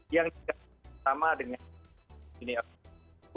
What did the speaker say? yang sama dengan eropa